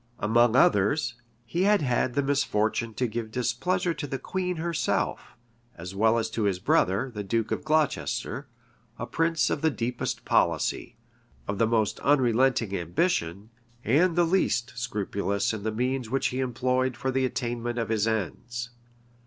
Among others, he had had the misfortune to give displeasure to the queen herself, as well as to his brother, the duke of Glocester, a prince of the deepest policy, of the most unrelenting ambition, and the least scrupulous in the means which he employed for the attainment or his ends.